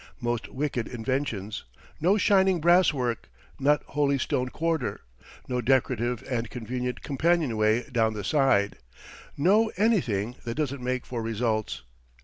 Most wicked inventions; no shining brasswork nor holy stoned quarter, no decorative and convenient companionway down the side no anything that doesn't make for results.